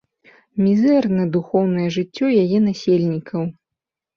Мізэрна духоўнае жыццё яе насельнікаў.